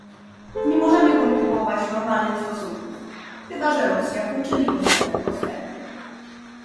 Nie możemy kontynuować normalnych stosunków, chyba że Rosja poczyni konkretne postępy